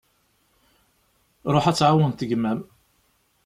Ruḥ ad tɛawneḍ gma-m.